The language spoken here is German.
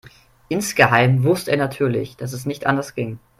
Insgeheim wusste er natürlich, dass es nicht anders ging.